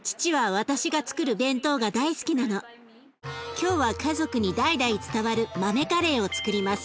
今日は家族に代々伝わる豆カレーをつくります。